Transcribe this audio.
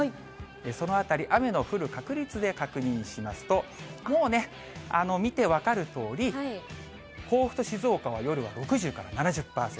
そのあたり、雨の降る確率で確認しますと、もうね、見て分かるとおり、甲府と静岡は夜は６０から７０％。